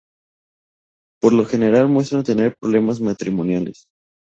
Por lo general muestran tener problemas matrimoniales.